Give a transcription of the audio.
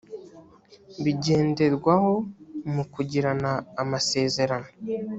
bigenderwaho mu kugirana amasezerano